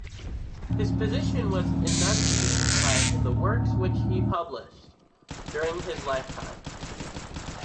His position was enunciated by the works which he published during his lifetime.